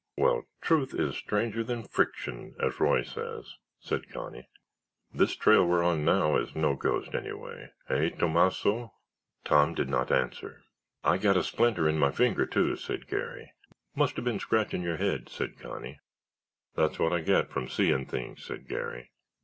"Well, truth is stranger than friction, as Roy says," said Connie; "this trail we're on now is no ghost, anyway—hey, Tomasso?" Tom did not answer. "I got a splinter in my finger, too," said Garry. "Must have been scratching your head," said Connie. "That's what I get from seein' things," said Garry.